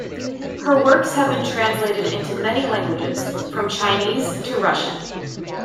Her works have been translated into many languages from Chinese to Russian.